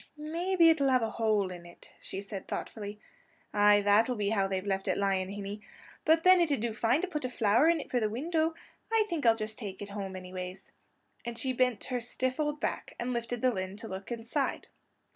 "Maybe it'll have a hole in it," she said thoughtfully: "Ay, that'll be how they've left it lying, hinny. But then it 'd do fine to put a flower in for the window; I'm thinking I'll just take it home, anyways." And she bent her stiff old back, and lifted the lid to look inside.